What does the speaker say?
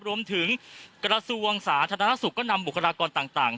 รวมถึงกระทรวงสาธารณสุขก็นำบุคลากรต่าง